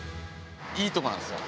いいとこなんですよ。